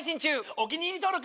お気に入り登録。